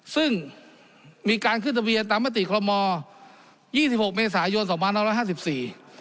ซึ่งมีการขึ้นทะเบียนตามมติคอลโมยี่สิบหกเมษายนสองพันห้าร้อยห้าสิบสี่